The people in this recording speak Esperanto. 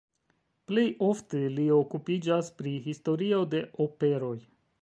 Plej ofte li okupiĝas pri historio de operoj.